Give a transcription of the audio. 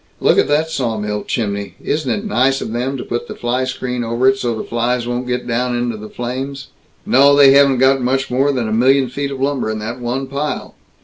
Look at that sawmill chimney isn't it nice of 'em to put the fly screen over it so the flies won't get down into the flames. No, they haven't got much more than a million feet of lumber in that one pile.